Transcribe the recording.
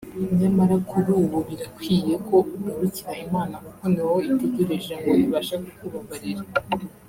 nyamara kuri ubu birakwiye ko ugarukira Imana kuko ni wowe itegereje ngo ibashe kukubabarira